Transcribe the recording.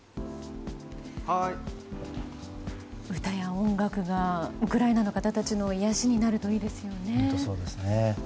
歌や音楽がウクライナの方たちの癒やしになるといいですよね。